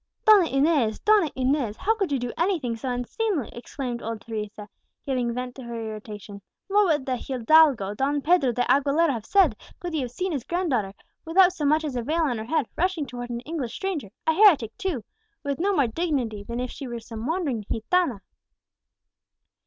"Donna Inez, Donna Inez! how could you do anything so unseemly?" exclaimed old Teresa, giving vent to her irritation. "What would the hidalgo Don Pedro de Aguilera have said, could he have seen his grand daughter, without so much as a veil on her head, rushing towards an English stranger a heretic, too! with no more dignity than if she were some wandering gitána?"